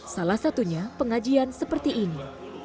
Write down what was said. salah satunya pengajian seperti ini